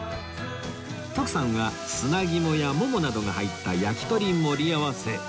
徳さんは砂肝やももなどが入ったやきとり盛り合わせ